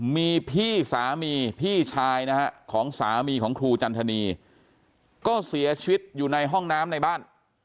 มีพี่สามีพี่ชายนะฮะของสามีของครูจันทนีก็เสียชีวิตอยู่ในห้องน้ำในบ้าน